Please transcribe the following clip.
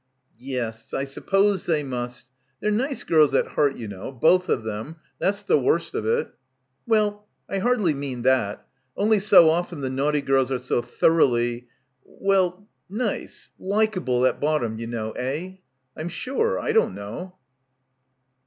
"Yes. I suppose they must. They're nice gels at heart, you know. Botih of them. That's the worst of it. Well, I hardly mean that. Only so often the naughty gels are so thoroughly — well — nice, likable at bottom, ye know, eh? Pm sure. I don't know."